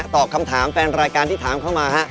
ตอบคำถามแฟนรายการที่ถามเข้ามาฮะ